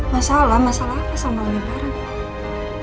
masalah masalah apa sama negara